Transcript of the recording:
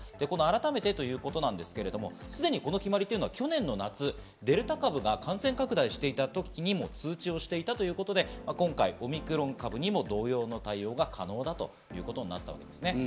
この改めてということですけど、すでにこの決まりというのは去年の夏、デルタ株が感染拡大していた時にも通知をしていたということで、今回オミクロン株にも同様の対応が可能だということなんですね。